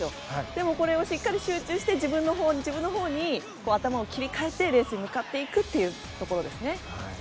でも、これをしっかり集中して自分のほうに、自分のほうに頭を切り替えて、レースに向かっていくところですね。